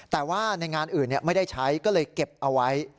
แต่ว่าในงานอื่นไม่ได้ใช้ก็เลยเก็บเอาไว้